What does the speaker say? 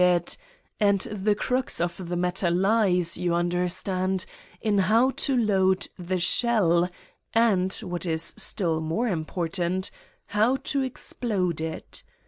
171 Satan's Diary And the crux of the matter lies, you understand, in hqw to load the shell and, what is still more important: how to explode it.